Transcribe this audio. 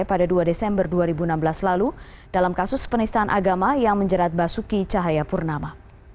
pada dua desember dua ribu enam belas lalu dalam kasus penistaan agama yang menjerat basuki cahayapurnama